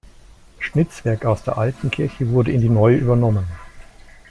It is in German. Schnitzwerk aus der alten Kirche wurde in die neue übernommen.